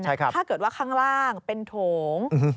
ถ้าเกิดว่าข้างล่างเป็นโถง